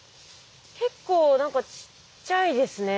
結構何かちっちゃいですね。